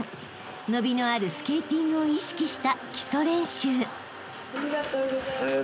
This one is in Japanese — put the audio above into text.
［伸びのあるスケーティングを意識した基礎練習］